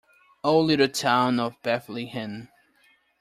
O little town of Bethlehem.